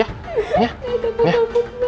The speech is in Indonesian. ya ya ya nanti diperiksa lagi